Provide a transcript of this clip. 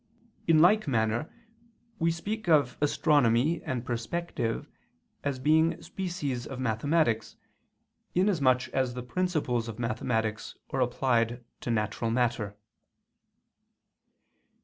In like manner we speak of astronomy and perspective as being species of mathematics, inasmuch as the principles of mathematics are applied to natural matter.